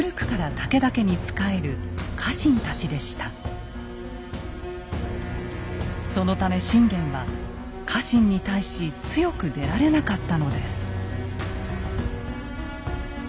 この時そのため信玄は家臣に対し強く出られなかったのです。